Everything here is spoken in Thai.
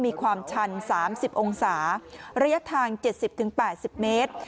มีความชัน๓๐องศาระยะทาง๗๐๘๐เมตร